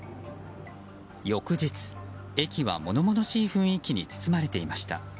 翌日、駅はものものしい雰囲気に包まれていました。